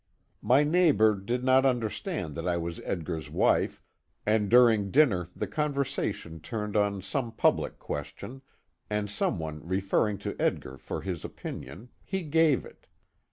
My neighbor did not understand that I was Edgar's wife, and during dinner the conversation turned on some public question, and some one referring to Edgar for his opinion, he gave it.